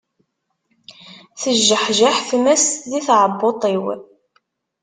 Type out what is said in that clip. Tejjeḥjeḥ tmes di tɛebbuḍt-iw.